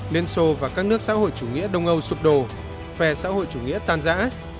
liên xô và các nước xã hội chủ nghĩa đông âu sụp đổ phe xã hội chủ nghĩa tan giã